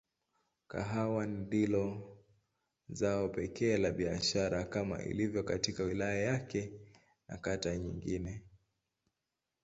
Kahawa ndilo zao pekee la biashara kama ilivyo katika wilaya yake na kata nyingine.